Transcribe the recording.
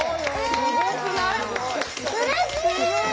うれしい！